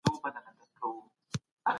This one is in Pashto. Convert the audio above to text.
د افغانستان غرنۍ سیمې ورته مناسبې دي.